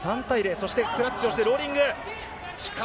そしてクラッチをして、ローリング。